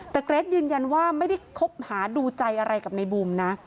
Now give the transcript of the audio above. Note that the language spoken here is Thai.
แต่เกรทยืนยันว่าไม่ได้คบหาดูใจอะไรกับในบูมนะ